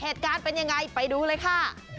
เหตุการณ์เป็นยังไงไปดูเลยค่ะ